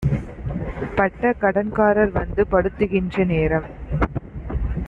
பட்டகடன் காரர்வந்து படுத்துகின்ற நேரம்